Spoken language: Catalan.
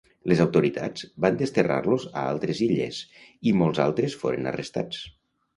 Les autoritats van desterrar-los a altres illes, i molts altres foren arrestats.